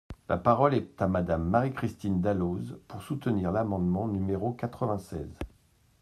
La parole est à Madame Marie-Christine Dalloz, pour soutenir l’amendement numéro quatre-vingt-seize.